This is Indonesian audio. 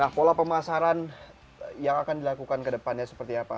nah pola pemasaran yang akan dilakukan kedepannya seperti apa